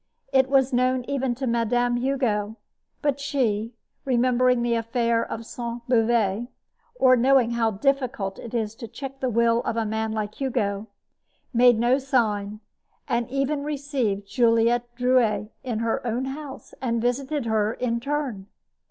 It was known even to Mme. Hugo; but she, remembering the affair of Sainte Beuve, or knowing how difficult it is to check the will of a man like Hugo, made no sign, and even received Juliette Drouet in her own house and visited her in turn.